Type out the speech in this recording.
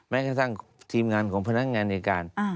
แม้แท่งทีมงานของพนักงานมีการ